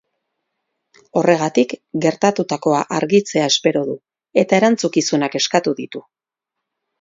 Horregatik, gertutakoa argitzea espero du, eta erantzukizunak eskatu ditu.